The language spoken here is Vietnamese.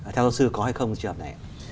theo giáo sư có hay không trường hợp này